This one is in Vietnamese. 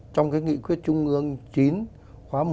trong cái nghị quyết trung ương chín khóa một mươi